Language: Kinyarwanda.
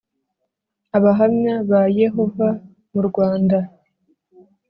Abahamya ba Yehova mu rwanda